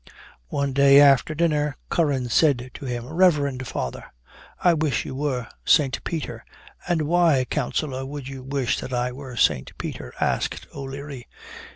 "One day, after dinner, Curran said to him, 'Reverend father, I wish you were Saint Peter.' "'And why, Counsellor, would you wish that I were Saint Peter?' asked O'Leary.